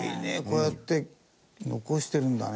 こうやって残してるんだね。